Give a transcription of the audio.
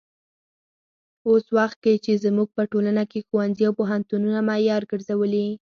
اوس وخت کې چې زموږ په ټولنه کې ښوونځي او پوهنتونونه معیار ګرځولي.